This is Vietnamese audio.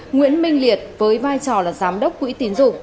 nguyễn minh liệt với vai trò là giám đốc quỹ tín dụng